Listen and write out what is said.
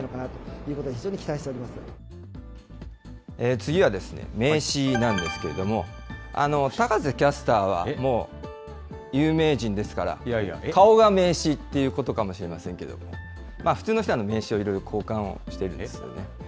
次は名刺なんですけれども、高瀬キャスターはもう有名人ですから、顔が名刺っていうことかもしれませんけれども、まあ普通の人は名刺をいろいろ交換をしてるんですよね。